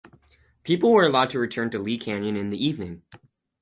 People were allowed to return to Lee Canyon in the evening.